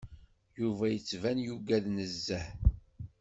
Yuba yettban yugad nezzeh.